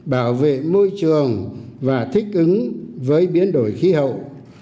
bảo vệ môi trường và thích ứng với biến đổi khí hậu